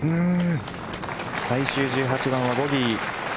最終１８番はボギー。